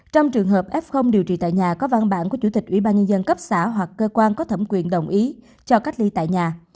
trong trường hợp f điều trị tại nhà có văn bản của chủ tịch ủy ban nhân dân cấp xã hoặc cơ quan có thẩm quyền đồng ý cho cách ly tại nhà